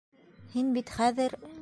Һин бит хәҙер...